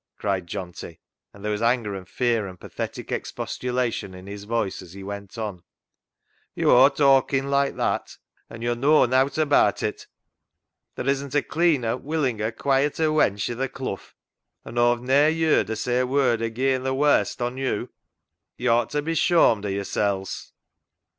" cried Johnty, and there was anger and fear and pathetic expostulation in his voice as he went on —" Yo' aw talken like that, and yo' knaw nowt abaat it. Ther' isn't a cleaner, willinger, quieter wench i' th' clough, and Aw've ne'er ye'rd her say a word agean th' warst on yo'. Yo' owt ta be shawmed o' yo'rsels."